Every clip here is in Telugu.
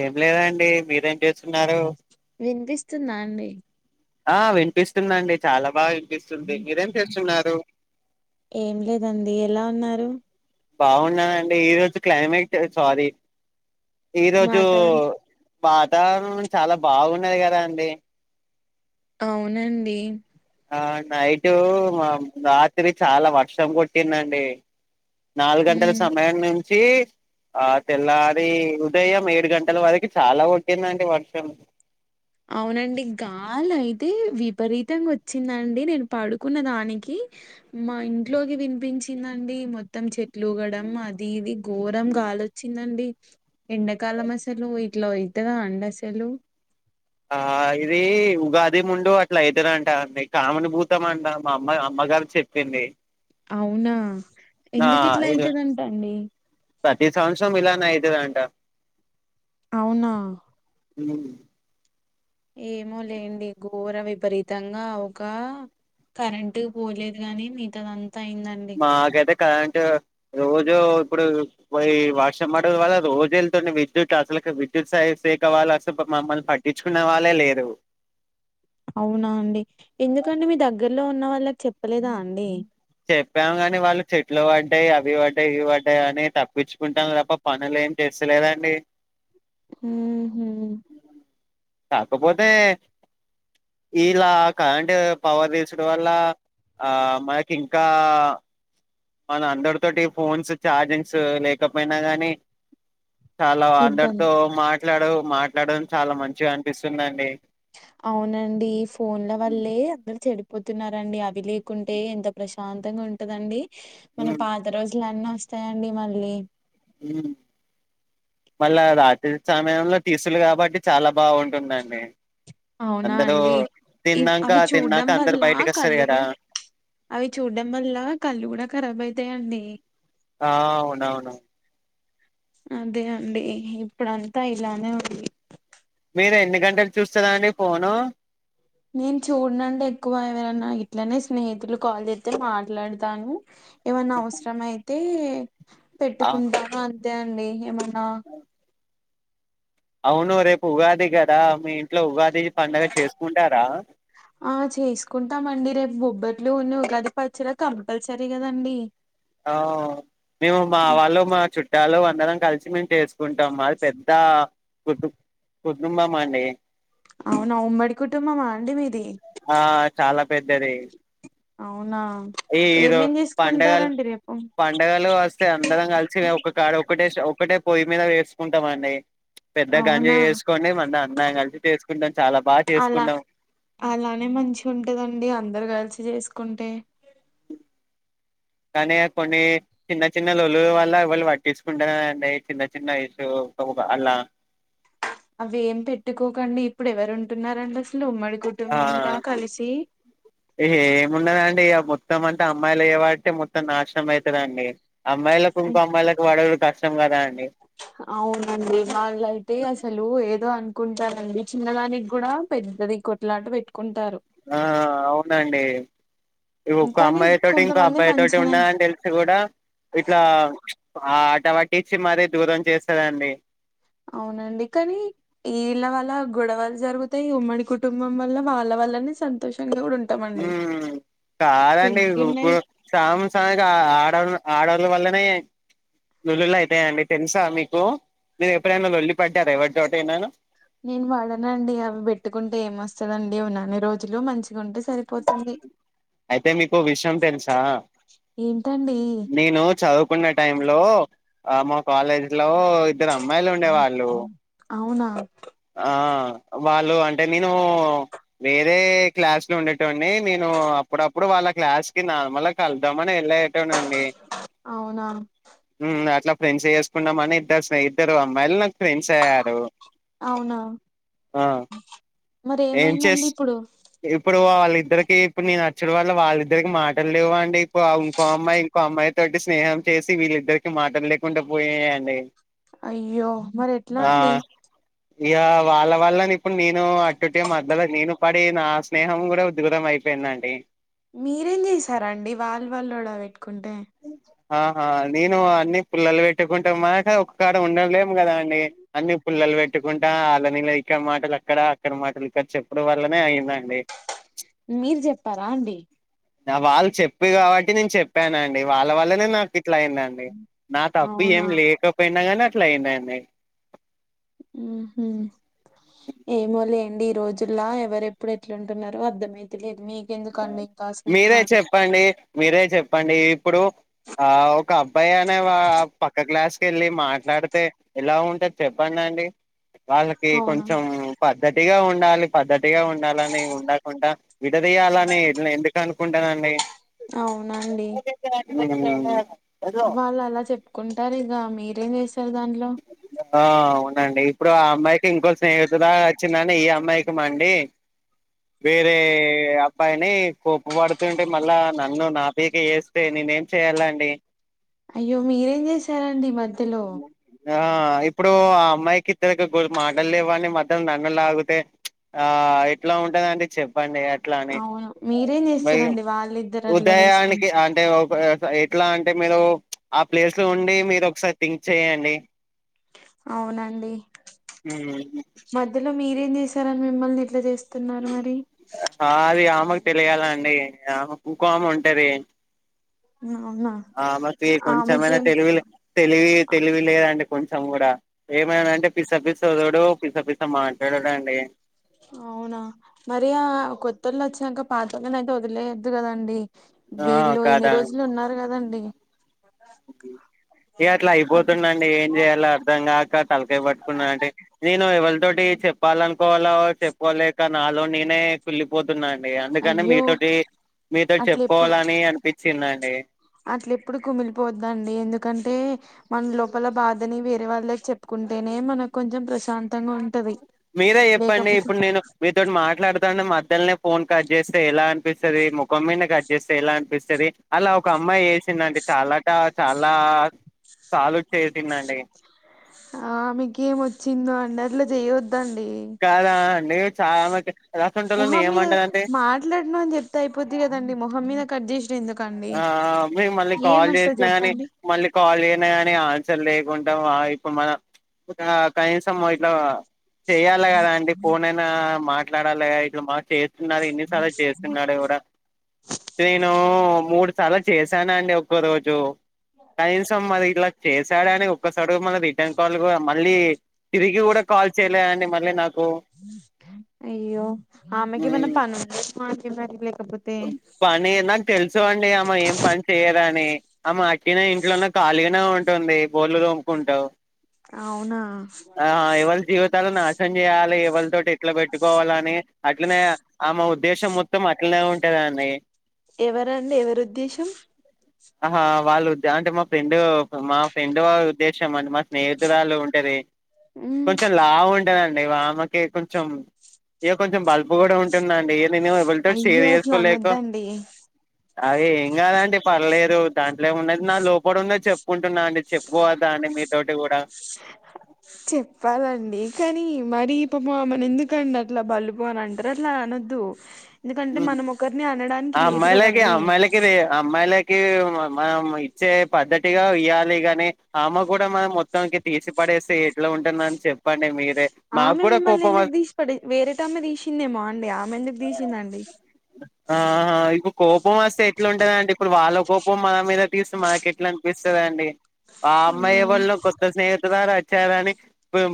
ఏం లేదండి మీరేం చేస్తున్నారు తున్నా అండీ ఆ వినిపిస్తుందండి చాలా బాగా వినిపిస్తుంది మీరేం చేస్తున్నారు ఏం లేదండి ఎలా ఉన్నారు బాగున్నాదండి ఈరోజు క్లైమేట్ సారీ ఈరోజు వాతావరణం వాతావరణం చాలా బాగున్నది కదా అండి అవునండి ఆ నైటు మా రాత్రి చాలా వర్షం కొట్టిందండి నాలుగు గంటల ఉమ్ సమయం నుంచి ఆ తెల్లారి ఉదయం ఏడు గంటల వరకు చాలా వడ్టిందండి వర్షం వాళ అయితే విపరీతంగా వచ్చిందండి నేను పడుకున్న దానికి మా ఇంట్లోకి వినిపించిందండి మొత్తం చెట్లు గడం అది ఇది ఘోరం గాలిచ్చిందండి ఎండాకాలం అసలు ఇట్లో అవుతుందా అండ అసలు ఆ ఇది ఉగాది ముండు అట్లా అయితునంట అ కామనుభూతం అంట మా అమ్మ అమ్మా బగారు చెప్పింది అవునా ఆ ఎందుకు ఇట్లా అయితదంట అండి ప్రతి సంవత్సరం అయితదంట అవునా ఉమ్ ఏమో లేండి ఘోర విపరీతంగా అవుకా కరెంటు పోలేదు గాని మిగతాద అంతా అయిందండి మాకైతే కరెంట్ రోజు ఇప్పుడు పో వాషం మడడం వల్ల రోజు వెళ్తుంది విద్యుత్ అసలు విద్యుత్ సాహ సేఖ వాళ్ళు అసలు మమ్మల్ని పట్టించుకున్న వాళ్ళే లేదు అవునా అండి ఎందుకంటే మీ దగ్గర్లో ఉన్న వాళ్ళకి చెప్పలేదా అండి చెప్పాము కాని వాళ్ళు చెట్లు పడ్డాయి అవి పడ్డాయి ఇవి పడ్డాయి అని తప్పించుకుంటాం తప్ప పనులే ఏం చేస్తాలేదండి ఉమ్ హ్మ్మ్ కాకపోతే ఇలా కరంటట్ పవర్ తీసుడు వల్ల ఆ మ ఇంకా మన అందరితోటి ఫోన్స్ చార్జింగ్స్ లేకపోయినా గానీ చాలా అందరితో ఇబ్బంది మాట్లాడు మాట్లాడడం చాలా మంచిగా అనిపిస్తుందండి అవునండి పోతున్నారండి అవి లేకుంటే ఎంత ప్రశాంతంగా ఉంటదండి మన ఉమ్ పాత రోజులన్నా ఇస్తాయండి మళ్ళీ ఉమ్ మళ్ళా రాత్రి సమయంలో తీసులు కాబట్టి చాలా బాగుంటుందండి అవునా అందరు అండి ఇవ్ తిన్నాక అవి తిన్నాక చూడ్డం అందరు వల్ల బయటకి వస్తారు కళ్ళు కదా కూడా అవి చూడ్డం వల్ల కళ్ళు కూడా కరాబ్ అయితాయండి ఆ అవునవును అదే అండి ఇప్పుడంతా ఇలానే ఉంది మీరు ఎన్ని గంటలు చూస్తదా అండి ఫోను నేను చూడనండి ఎక్కువ ఎవరన్నా ఇట్లనే స్నేహితులు కాల్ చేతే మాట్లాడతాను ఏమన్నా అవసరం అయితే ఆ, పెట్టుకుంటా అంతే అండి ఏమన్నా అవును రేపు ఉగాది కదా మీ ఇంట్లో ఉగాది పండుగ చేసుకుంటారా ఆ చేసుకుంటామండి రేపు బొబ్బట్లును, ఉగాది పచ్చడా కంపల్సరీ కదండి ఆ మేము మావాలు మా చుట్టాలు అందరం కలిసి మే చేసుకుంటాం మాది పెద్ద కుటుం కుటుంబం అండి అవునా ఉమ్మడి కుటుంబమా అండి మీది ఆ చాలా పెద్దది అవునా ఈ ఈరో ఏమేం పండగలు, చేసుకుంటారండి రేపు పండగలు వస్తే అందరం కలిసి ఒక కాడ ఒకటే ఒకక్కటే పొయ్యి మీద వేసుకుంటాం అండి పెద్ద గంజి అవునా వేసుకోండి మళ్ళీ అందం కలిసి చేేసుకుంటాం అలా, అలానే మంచి ఉంటదండి అందరు కలిసి చేసుకుంటే [unintelligible] కానీ కొన్ని చిన్న చిన్న లొల్లిల వల్ల పట్టించుకుంటలేనండి చిన్న చిన్న ఇష్యూ ఒక అలా అవి ఏం పెట్టుకోకండి ఇప్పుడు ఎవరు ఉంటున్నారండి అసలు ఉమ్మడి ఆ కుటుంబంలా కలిసి ఏ ఏమున్నద మొత్తం అంటే అమ్మాయిలు చేపట్టి మొత్తం నాశనం అయితరండి అమ్మాయిలకు ఇంకో అమ్మాయిలకు పడుడు కష్టం కదా అండి అవునండి వాళ్ళయితే అసలు ఏదో అను కుంటారండి చిన్నదానికి కూడా పెద్దది కొట్లాట పెట్టు ఆ అవునండి ఒక్క కానీ అమ్మాయి తోటి ఇంకో కొంతమంది అబ్బాయి తోటి మంచినే ఉన్నాడని తెలిసి కూడా ఇట్లా ఆ ఆట పట్టించి ఇచ్చి మరీ దూరం చేస్తదండి అవునండి, కానీ ఇళ్ళ వాల్ల గొడవలు జరుగుతాయి ఉమ్మడి కుటుంబం వల్ల వాళ్ళ వాళ్ళనే సంతోషంగా ఉ ఉ కాదండి రెండున్నాయి సం సమ్ కి ఆడ ఆడోళ్ల వల్లనే లోల్లులు అయితాయండి తెలుసా మీకు మీరు ఎప్పుడైనా లొల్లి పడ్డారా ఎవరితోటైనా నేను పడనండి అవి పెట్టుకుంటే ఏమ వస్తందండి ఉన్నన్ని రోజులు మంచి ఉంటే సరిపోతుంది అయితే మీకో విషయం తెలుసా ఏంటండి నేను చదువుకునే టైంలో ఆ మా కాలేజ్ లో ఇద్దరు అమ్మాయిలు ఉండే వాళ్ళు అవునా ఆ వాళ్ళు అంటే నేను వేరే క్లాస్ లో ఉండేటోన్ని నేను అప్పుడప్పుడు వాళ్ళ క్లాస్ కి నార్మల్ గా కలుద్దాం అన్ వెళ్లేటోన్ అండి అవునా అట్లా ఫ్రెండ్స్ చేసుకున్నామని ఇద్దరు ఇద్దరు అమ్మాయిలు నాకు ఫ్రెండ్స్ అయ్యారు వునా ఆ ఏం చేస్ ఇప్పుడు వాల్ ఇద్దరికి ఇప్పుడు నేను వచ్చుడు వాల్ల వాళ్ళిద్దరికి మాటలు లేవు అండి ఇప్పు ఇంకో అమ్మాయి ఇంకో అమ్మాయి తోటి స్నేహం చేసి వీళ్ళిద్దరికి మాటలు లేకుండా పోయాయండి అయ్యో మరి ఎట్లా అండి ఇగా వాళ్ళ వాళ్లని ఇప్పుడు నేను మధ్యలో నేను పడి నా స్నేహం కూడా దూరం అయిపోయిందండి మీరేం చేసారాండి వాళ్ళు వాళ్ళు గొడవ పెట్టుకుంటే ఆహా నేను అన్ని పుల్లలు పెట్టుకుంటా మాక ఒక్క కాడ ఉండలే కదా అండి అన్ని పుల్లలు పెట్ పెట్టుకుంటా వాలనీళ ఇక్కడ మాటలు అక్కడ అక్కడ మాటలు ఇక్కడ చెప్పుడం వల్లనే అయిదండి మీరు చెప్పారా అండి నా వాళ్ళు చెప్పి కాబట్టి నేను చెప్పానండి వాళ్ళ వల్లనే నాకు ఇట్లా అయిందండి నా తప్పు ఏం అవునా లేకపోయినా గనీ అట్లా అయిదండి హు హు ఏమోలే డి ఈ రోజులా ఎవరెప్పుడు ఎట్లుంటున్నారో అర్థమయితలేదు మీకెందుకండి ఇంకా ఆ మీరే స్నేహాలు చెప్పండి మీరే చెప్పండి ఇప్పుడు ఆ ఒక అబ్బాయి అనే వా పక్క క్లాస్ వెళ్ళి మాట్లాడితే ఎలా ఉంటే చెప్పండి అండి వాళ్ళకి అవునా కొంచెం ప గట్టిగా ఉండాలి పద్ధతిగా ఉండాలని ఉండకుండా విడదీయాలని నే ఇట్లా ఎందుకు అనుకుంటానండి అవునండి ఊ వాళ్ళు అలా చెప్పుకుంటారు ఇగా మీరేం చేస్త ఆ ఉండండి ఇప్పుడు ఆ అమ్మాయికి ఇంకో స్నేహితురాలు వచ్చిందనీ ఈ అమ్మాయికి మండి వేరే అబ్బాయిని కోప్ప పడుతుంటే మళ్ళా నన్ను నా పైకే వేస్తే నేనే ఏం చేయ్యాలండి అయ్యో మీరేం చేసారండి మధ్యలో ఆ ఇప్పుడు ఆ అమ్మాయికి ఇతనికికి మాటలులేవని మధ్య నన్ను లాగితే ఆ ఎట్లా ఉంటుందండి చెప్పండి అట్లానీ అవును మీరేం భయం చేస్తారండి వాళ్ళిద్దరు అట్లా ఉదయానికి చేసుకుంటే అంటే ఒక ఎట్లా అంటే మీరు ఆ ప్లేస్ లో ఉండి మీరు ఒకసారి థింక్ చేయండి అవునండి ఉమ్ మధ్యలో మీరేం చేసారని మిమ్మల్ని ఇట్లా చేస్తున్నారు మరి అది ఆమకు తెలియాల అండి ఆమేకు ఇంకో ఆమ ఉంటది అవునా ఆమకి కొంచెమైనా ఆమెకేం తెలువి తెలివి తెలివి లేదండి కొంచెం కూడా ఏమైనాంటే పిసపి వధురుడు పిసపిసా మాట్లాడడు అండి అవునా మరి ఆ కొత్త వాళ్ళు వచ్చాక పాత వాళ్ళని అయితే వదిలేయద్దు కదండి ఆ వీళ్ళు ఇన్ని రోజులు ఉన్నారు కదండి ఉబ్బి ఏ అట్లా అప్పుడు అయిపోతుండ అండి ఏం చేయాలో అర్ధం కాక తలకాయా పట్టుకున్నా అంటే నేను ఎవరితోటి చెప్పాలనుకోవలో చెప్పుకోలేక నాలో నేనే కుళ్ళిపోతున్నా అందుకని అయ్యో మీతోటి మీతోటి అట్ల ఎప్పుడు చెప్పుకోవాలని అనిపించిందండి. అట్ల ఎప్పుడు కుమిలిపోద్దండి ఎందుకంటే మన లోపల బాధని వేరే వాళ్ళ చెప్పుకు ఉంటేనే మనకు కొంచెం ప్రశాంతంగా ఉంటది మీరే చెప్పండి లేకపోతే ఇప్పుడు నేను మీతోటి మాట్లాడుతానే మ ద్దల్నే ఫోన్ కట్ చేస్తే ఎలా అనిపిస్తుంది ముఖం మీద కట్ చేస్తే ఎలా అనిపిస్తుంది అలా ఒక అమ్మాయి వేసి తినండి చాలా ట చాలా సాల్వ్ చేసింది అండి ఆమె కేం వచ్చిందో అండి అట్లా చేయొద్దండి నేను చాల మట్ మొహం మీద మాట్లాడను అని చెప్తే అయిపోద్ది కదండి మొహం మీద కట్ చేసి ఆ మేము మళ్ళీ కాల్ వస్తది చేసినా గానీ చెప్పండి మళ్ళీ కాల్ చేయిన గాని చల్ లేకుంట ఆ ఇప్పుడు మన ఒక కనీసం ఇట్లా చెయాలా కదా అండి ఫోన్ అయినా మాట్లాడాలి ఇట్లా మా చే న్నారు ఎన్నిసార్లు చేస్తున్నాడు కూడా నేను తర్వాత చేశాను అండి ఒక్కో రోజు కనీసం మరి ఇలా చేశాడని ఒక్కసారి మన రిటర్న్ కాల్ మళ్ళీ తిరిగి కూడా కాల్ చేయలేదు అండి మళ్ళీ నాకు అయ్యో ఆమెకి ఏమన్నా మ్ పని ఉందేమో అండి మరి లేకపోతే పని నాకు తెలుసు అండి అమ ఏం పని చెయదని అని అమ టీ నే ఇంట్లోనే ఖాళీగానే ఉంటుంది బోలుతోముకుంటూ అవునా ఆ ఎవలీ జీవితాలు నాశనం చేయాలి ఎవలితోటి అట్లా పెట్టుకోవాలని అట్లనే ఆమె ఉద్దేశం మొత్తం అట్లనే ఉంట దండి ఎవరండి ఎవరి ఉద్దేశం ఆహా వాళ్ళు అంటే మా ఫ్రెండ్ మా ఫ్రెండ్ళ్ ఉద్దేశం అంటే మా మేతురాలు ఉంటది ఉమ్ కొంచెం లావు ఉన్ ఉంటదండీ ఆమెకి కొంచెం ఇకా కొంచెం బల్పు కూడా ఉంటుందండి. నేను ఎవల్తో షేర్ అయ్యో అట్లా చేసుకోలేక అనొద్దండి అరే ఏం కాదండి. పర్లేదు దాంట్లో ఏముందండి నా లోపల ఉండది చెప్పుకుంటున్నా అండి చెప్పుకోవద్దా అండి మీతోటి కూడా. చెప్పాలండి కానీ మరి పాపం ఆమెను ఎందుకండి అట్లా బల్పు అన్ మనంటరే అలా అనద్దు ఎందుకంటే మనం ఒకరిని అనడానికి ఆ లేదు అమ్మాయిలకి కదండి. అమ్మాయిలకి రే అమ్మాయిలకి మనం ఇచ్చే పద్దతిగా ఇయ్యాలి గాని ఆమ్మ కూడా మన మొత్తానికి తీసి పడ్ చేస్తే ఎట్లా ఉంటుంది మమ్ చెప్పండి మీర్ ఆమె మిమ్మల్ని ఎందుకు తీసిపడే వేరేట ఆమె తీసిందేమో అండి ఆమె ఎందుకు దిసిందండి ఆహా ఇప్పు కోపం వస్తే ఎట్లాంటదండి ఇప్పుడు వాళ్ళక్ కోపం మన మీద తీస్త్ మనకు ఎట్లా అనిపిస్తాదండి. ఆ అమ్మాయి ఎవల్లో కొత్త స్నేహిత్ ఇటు రారా వచ్చావ అని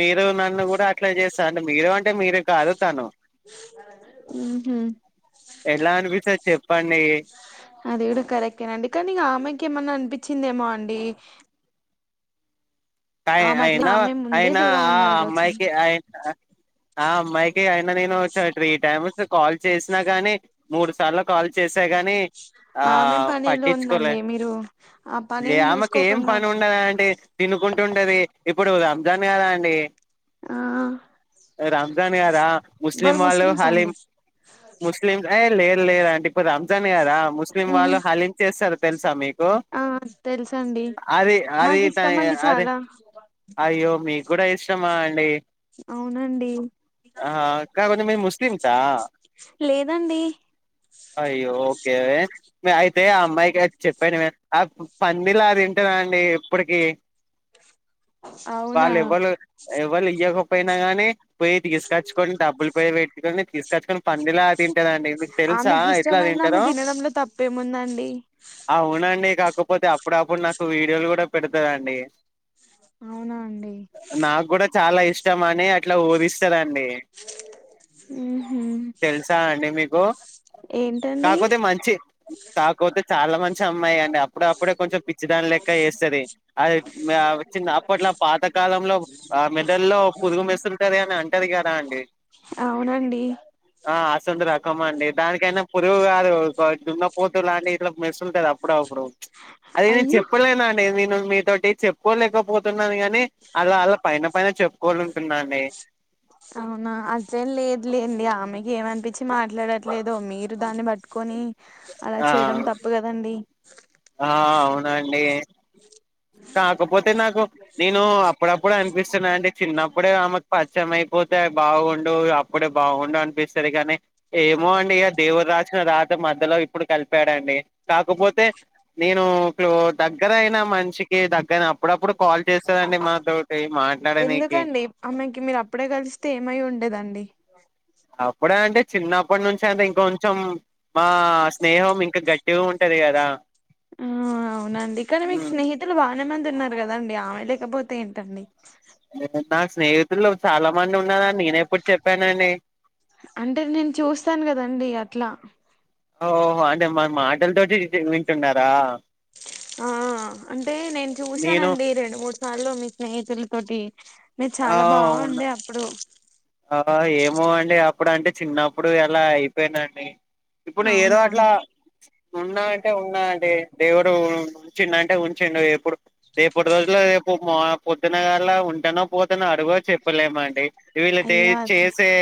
మీరు నన్ను కూడా అట్లా చేస్తంరా అండి మీరు అంటే మీరు కాదు తను. [inaudible] ఉహుమ్ ఎట్లా అనిపిస్తది చెప్పండి అది కూడా కరెక్టేనండి కానీ అమ్మాయికి ఏమన్నా అనిపించిందేమో అండి. తాయ్ ఆమె అట్లా అయినా ఆమె ముందే అయినా దూరం ఆ ఉన్నది కావచ్చు అమ్మాయికి అయినా ఆ అమ్మాయికి అయిన నేను చ త్రీ టైమ్స్ కాల్ చేసిన గాని మూడు సార్లు కాల్ చేసే గా గానీ ఆ ఆమె పనిలో పట్టించుకోలే ఉందండి మీరు ఆ లే పనిని ఆమెకు ఏం చూసుకోకుండా పని ఉండదు అంటీ తినుకుంటూ ఉంటది ఇప్పుడు రంజాన్ నెలా అండి ఆ రంజాన్ గాదా ముస్లిం వాళ్ళు ముస్లిమ్సా హాలిమ్ అండి ముస్లిమ్సు లేదు లేద అంటీ ఇప్పుడు రంజాన్ గాదా ముస్లిం మ్ వాళ్ళు హలిమ్ చేస్తారు. తెల్సా మీకు ఆ తెలుసండి అరి అరి నాకు త ఇష్టం అండి అరి చాలా అయ్యో మీకు కూడా ఇష్టమా అండి అవునండి ఆ కాకపోతే మీరు చ్ ముస్లిమ్సా లేదండి అయ్యో ఓకే అయితే ఆ అమ్మాయికి ఆ చెప్పాను మే ఆ పందిలా తింటదండి. ఇప్పడికి అవునా వాళ్ళు ఎవళ్లు ఎవళ్లు ఇయక పోయినా గాని పోయి తీకచ్చుకొని డబ్బులు పోయి పెట్కని తీసుకొచ్చుకొని పందిలా తింటాదండి మీకు తెలుసా ఆమెకి ఎట్లా ఇష్టమైంది ఆమె తింటాదో తినడంలో తప్పేముందండి అవునండి. కాకపోతే అప్పుడప్పుడు నాకు వీడియోలు కూడా పెడతాదండి. అవునా అండి చాలా ఇష్టం అని అట్లా ఊరిస్తరండి ఊహూ తెల్సా అండి మీక్ గో ఏంటండి కాకపోతే మంచి కాకోతే చాలా మంచి అమ్మాయి అండి అప్పుడ అప్పుడు కొంచెం పిచ్చిదాని లెక్క చేస్తాది. అది మ్యావు అప్పోట్లా పాత కాలంలో ఆ మెడల్లో పురుగు మెస్తుంటాది అని అంటది కదా అండి. అవునండి ఆ అసంతలో రకమ అండి దానికైనా పురుగు గాదు దుంగపోతు లాంటి ఇట్లా మెరుసుస్తుంటాది అప్పుడు అప్ ప్పుడు అది నేను అయ్యో చెప్పలేనండి నేను మీతోటి చెప్పుకోలేకపోతున్నాను గాని అలా అలా పైన పైన చెప్పుకోలున్ అవునా అదే లేదు లేండి ఆమెకి ఏమన్ పిచ్చి మాట్లాడట్లేదు మీరు దాన్ని పట్టుకొని అలా ఆ చేయడం తప్పు కదా అండి. ఆ అవునండి కాకపోతే నాకు నేను అప్పుడప్పుడు అనిపిస్తున్నా అండి చిన్నప్పుడే ఆమె పచ్చమై పోతే బాగుండు అప్పుడే బాగుండు అనిపిస్తాది గానీ. ఏమో అండి ఇగా దేవుడు రాసిన రాత మధ్యలో ఇప్పుడు కలిపాడండి. కాకపోతే నేను క్లో దగ్గరయినా మనిషికి దక్కనప్పుడు అప్పుడప్పుడు. కాల్ చేస్తదండి మాతోటి మాట్లాడనీకి ఎందుకండి ఆమెకి మీరు అప్పుడే కలిస్తే ఏమై ఉండేదండి అప్పుడే అంటే చిన్నప్పటి నుంచి అంత ఇంకొంచెం మా స్నేహం ఇంకా గట్టిగా ఉంటది కదా? ఆ అవునండి కానీ మీకు స్నేహితులు బాగానే మంది ఉన్నారు కదండి ఆమె లేకపోతే ఏంటండి. నాకు స్నేహితులు చాలా మంది ఉన్నారని నేను ఎప్పుడ్ చెప్పానండి. అంటేర్ నేను చూస్తాను కదండి అట్లా. ఓహో అంటే మన మాటలతోటి ఇటు వింటున్నారా? ఆ అంటే నేను నేను చూసానండి రెండు మూడు సార్లు మీ స్నేహితులతోటి మీరు చాలా బాగుండే అప్పుడు అ ఆ ఏమో అండి అప్పుడు అంటే చిన్నప్పుడు అలా అయిపోయిదండి. ఇప్పుడ్నేఏదో అవునా అట్లా ఉన్నా అంటే ఉన్నా అండి దేవుడు ఉంచిండు అంటే ఉంచిండు ఎప్పుడు రేపటి రోజుల్లో రేపు పొద్దునగల్లా ఉంటానో పోతనో అ అగో చెప్పలేమండి వీళ్ళు చే అయ్యో అది చేసే